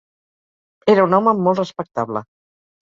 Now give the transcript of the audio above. Era un home molt respectable.